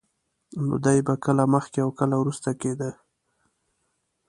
نو دی به کله مخکې او کله وروسته کېده.